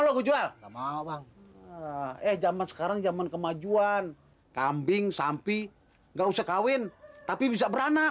lo jual sama bang eh zaman sekarang zaman kemajuan kambing sampi enggak usah kawin tapi bisa beranak